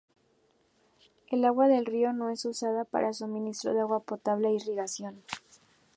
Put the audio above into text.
El agua del río es usada para suministro de agua potable e irrigación.